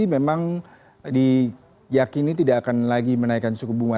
memang diyakini tidak akan lagi menaikkan suku bunga